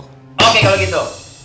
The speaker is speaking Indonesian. oke kalau gitu